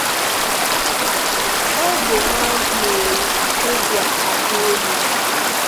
Obu he mere Wikipedia a ga elu.